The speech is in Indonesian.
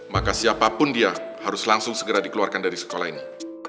maka siapapun dia harus langsung segera dikeluarkan dari sekolah ini